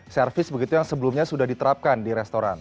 servis begitu yang sebelumnya sudah diterapkan di restoran